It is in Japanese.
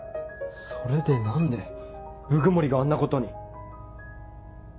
それで何で鵜久森があんなことに。